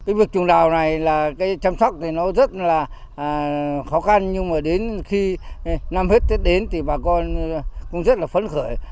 nhưng mà đến khi năm hết tết đến thì bà con cũng rất là phấn khởi